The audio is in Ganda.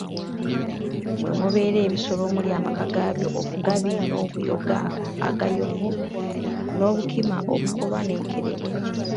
"Mwe mubeera ebisolo. Omuli amaka gaabyo, obugabi n’obuyoga, agayovu n’obukima, obuukolwa n’enkerebwe."